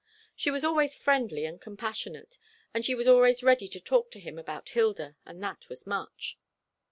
She was always friendly and compassionate; and she was always ready to talk to him about Hilda, and that was much.